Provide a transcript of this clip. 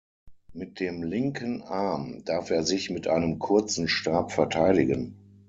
Mit dem linken Arm darf er sich mit einem kurzen Stab verteidigen.